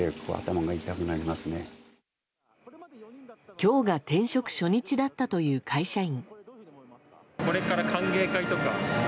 今日が転職初日だったという会社員。